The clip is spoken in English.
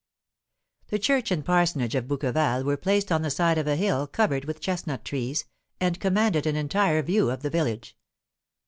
The church and parsonage of Bouqueval were placed on the side of a hill covered with chestnut trees, and commanded an entire view of the village.